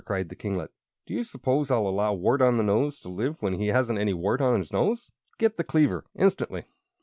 cried the kinglet. "Do you suppose I'll allow Wart on the Nose to live when he hasn't any wart on his nose? Get the cleaver instantly!"